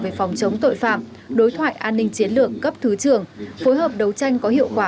về phòng chống tội phạm đối thoại an ninh chiến lược cấp thứ trưởng phối hợp đấu tranh có hiệu quả